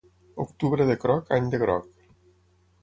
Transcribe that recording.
Octubre de croc, any de groc.